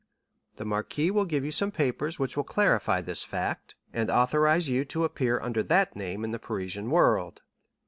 The marquis will give you some papers which will certify this fact, and authorize you to appear under that name in the Parisian world.